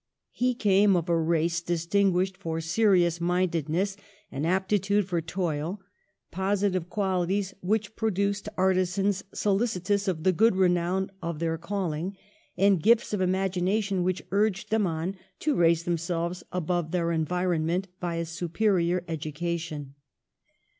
He came of a race distin guished for serious mindedness and aptitude for toil, positive qualities which produced ar tizans solicitous of the good renown of their calling, and gifts of imagination which urged them on to raise themselves above their en vironment by a superior education.